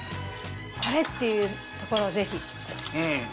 これっていうところをぜひ。